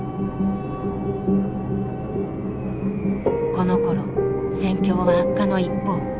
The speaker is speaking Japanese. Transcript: このころ戦況は悪化の一方。